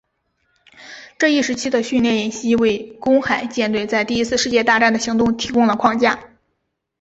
这一时期的训练演习为公海舰队在第一次世界大战的行动提供了框架。